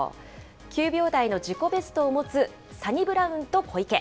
９秒台の自己ベストを持つサニブラウンと小池。